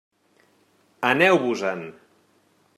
Aneu-vos-en!